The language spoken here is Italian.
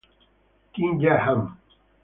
Kim Jae-han